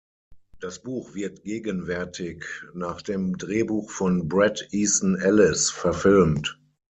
Das Buch wird gegenwärtig nach dem Drehbuch von Bret Easton Ellis verfilmt.